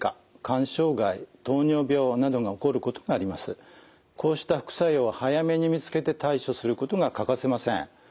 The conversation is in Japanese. こうした副作用は早めに見つけて対処することが欠かせません。